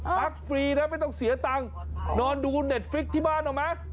ฟรีนะไม่ต้องเสียตังค์นอนดูเน็ตฟิกที่บ้านเอาไหม